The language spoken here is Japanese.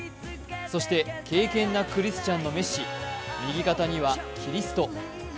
そして敬虔なクリスチャンのメッシ、右肩にはキリスト。